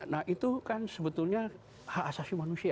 nah itu kan sebetulnya hak asasi manusia